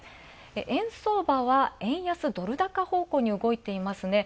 円相場は円安ドル高方向に動いていますね